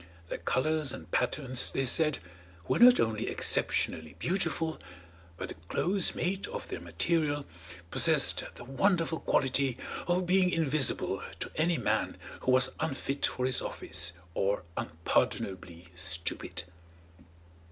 Their colours and patterns, they said, were not only exceptionally beautiful, but the clothes made of their material possessed the wonderful quality of being invisible to any man who was unfit for his office or unpardonably stupid.